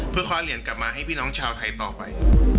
เพื่อคว้าเหรียญกลับมาให้พี่น้องชาวไทยต่อไป